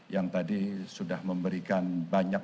yang tadi sudah memberikan banyak